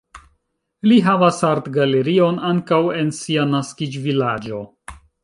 Li havas artgalerion ankaŭ en sia naskiĝvilaĝo.